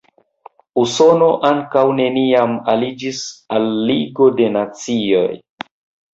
Usono ankaŭ neniam aliĝis al Ligo de Nacioj.